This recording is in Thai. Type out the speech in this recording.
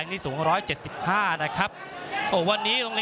พี่น้องอ่ะพี่น้องอ่ะ